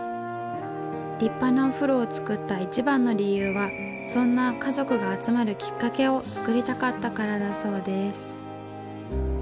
立派なお風呂を作った一番の理由はそんな家族が集まるきっかけを作りたかったからだそうです。